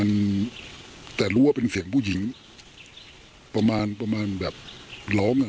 อะไรประมาณนี้แหละ